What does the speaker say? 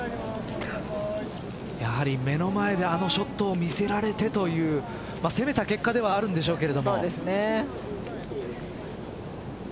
やはり目の前であのショットを見せられてという攻めた結果ではあるんでしょうが。